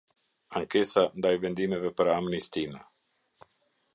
Ankesa ndaj vendimeve për Amnistinë.